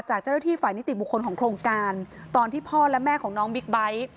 เจ้าหน้าที่ฝ่ายนิติบุคคลของโครงการตอนที่พ่อและแม่ของน้องบิ๊กไบท์